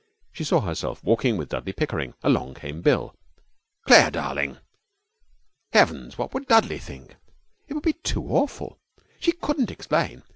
She saw herself walking with Dudley Pickering. Along came Bill. 'Claire, darling!' ... Heavens, what would Dudley think? It would be too awful! She couldn't explain.